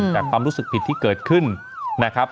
ความรู้สึกผิดที่เกิดขึ้นนะครับ